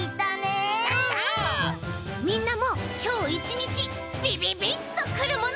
みんなもきょう１にちビビビッとくるもの。